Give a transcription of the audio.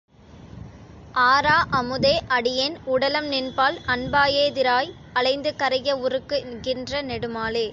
ஆரா அமுதே அடியேன் உடலம் நின்பால் அன்பாயே திராய் அலைந்து கரைய உருக்கு கின்ற நெடுமாலே!